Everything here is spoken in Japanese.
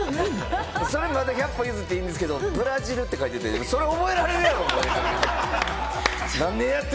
それまだ１００歩譲っていいんですけれども、ブラジルって書いてて、それ覚えられるやろ！って。